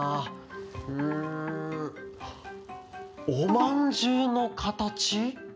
うんおまんじゅうのかたち？